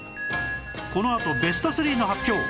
このあとベスト３の発表